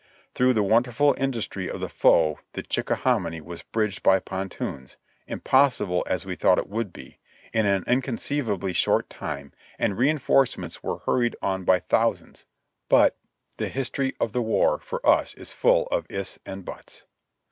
Through the wonderful industry of the foe the Chickahominy was bridged by pontoons, impossible as we thought it would be, in an incon ceivably short time, and reinforcements were hurried on by thous ands, but — the history of the war for us is full of "ifs" and "buts"